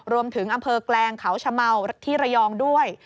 อำเภอแกลงเขาชะเมาที่ระยองด้วย